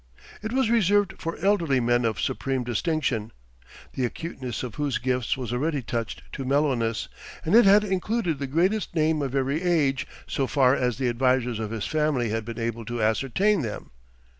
It was reserved for elderly men of supreme distinction, the acuteness of whose gifts was already touched to mellowness, and it had included the greatest names of every age so far as the advisers of his family had been able to ascertain them.